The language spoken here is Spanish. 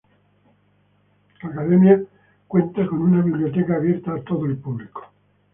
La Academia cuenta con una biblioteca abierta a todo público.